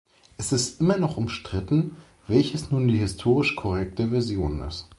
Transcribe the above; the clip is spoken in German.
Es ist immer noch umstritten, welches nun die historisch korrekte Version ist.